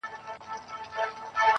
کي سره غواړو